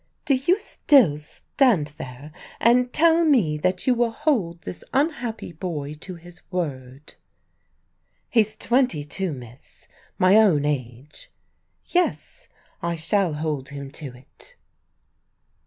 "Do you still stand there and tell me that you will hold this unhappy boy to his word?" "He's twenty two, miss; my own age. Yes, I shall hold him to it."